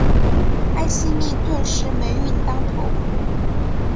艾希莉顿时霉运当头。